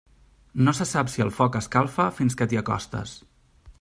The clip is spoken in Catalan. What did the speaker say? No se sap si el foc escalfa fins que t'hi acostes.